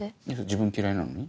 自分嫌いなのに？